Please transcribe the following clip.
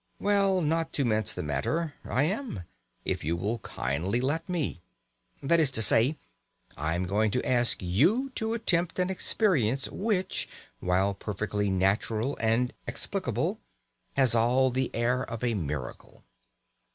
Well, not to mince the matter, I am if you will kindly let me! That is to say, I am going to ask you to attempt an experience which, while perfectly natural and explicable, has all the air of a miracle.